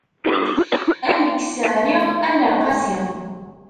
Ad nekkes Ɛli, ad nerr Qasi.